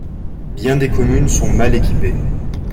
Bien des communes sont mal équipées.